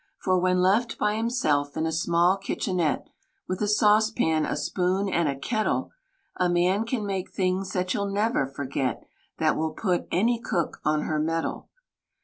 For when left by himself in a small kitchenette, fVith a saucepan, a spoon and a kettle, A man can make things that you'll never forget — That will put any cook on her mettle.